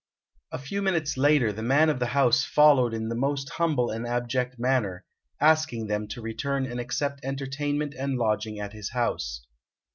A few minutes later the man of the house followed in the most humble and abject manner, asking them to return and accept entertainment and lodging at his house.